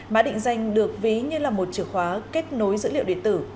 mã định danh được ví như là một chìa khóa kết nối dữ liệu điện tử